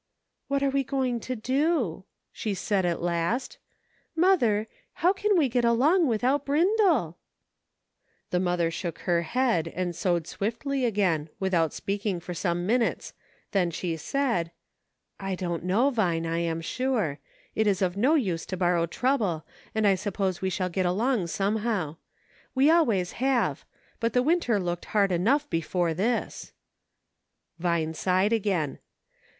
" What are we going to do ?" she said, at last. " Mother, how can we get along without Brindle .''" The mother shook her head, and sewed swiftly again, without speaking for some minutes, then she said :" I don't know. Vine, I am sure ; it is of no use to borrow trouble, and I suppose we shall get along somehow ; we always have, but the winter looked hard enough before this. Vine sighed again.